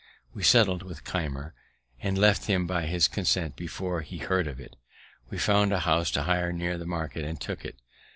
We settled with Keimer, and left him by his consent before he heard of it. We found a house to hire near the market, and took it.